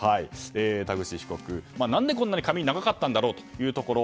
田口被告、何でこんなに髪が長かったんだろうというところ。